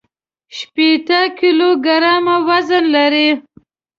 شپېته کيلوګرامه وزن لري.